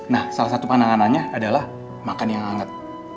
nah salah satu penanganannya adalah makan yang hangat